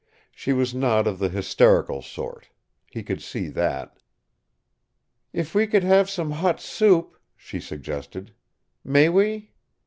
She was not of the hysterical sort. He could see that. "If we could have some hot soup," she suggested. "May we?"